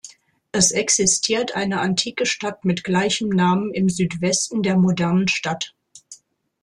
Es existiert eine antike Stadt mit gleichem Namen im Südwesten der modernen Stadt.